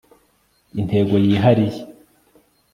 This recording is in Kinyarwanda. intego yihariye